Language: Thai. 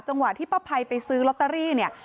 ที่ป้าภัยไปซื้อลอตเตอรี่เนี่ย